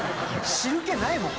汁気ないもん。